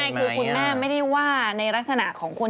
ใช่คือคุณแม่ไม่ได้ว่าในลักษณะของคน